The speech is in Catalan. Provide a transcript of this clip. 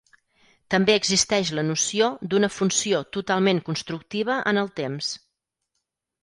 També existeix la noció d'una funció totalment constructiva en el temps.